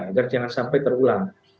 agar jangan sampai terulang